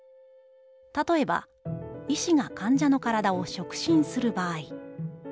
「たとえば医師が患者の体を触診する場合。